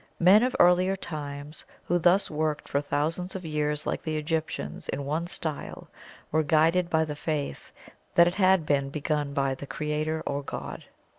Men of earlier times who thus worked for thousands of years like the Egyptians in one style, were guided by the faith that it had been begun by the Creator or God.